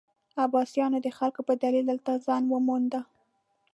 عباسیانو د خلکو په دلیل دلته ځای وموند.